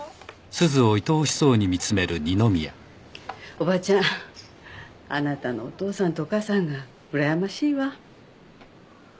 おばちゃんあなたのお父さんとお母さんがうらやましいわ。